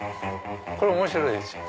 これ面白いでしょ。